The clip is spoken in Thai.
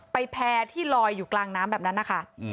แพร่ที่ลอยอยู่กลางน้ำแบบนั้นนะคะ